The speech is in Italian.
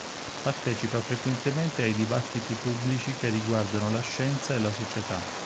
Partecipa frequentemente ai dibattiti pubblici che riguardano la scienza e la società.